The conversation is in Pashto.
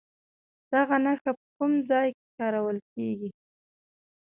دغه نښه په کوم ځای کې کارول کیږي؟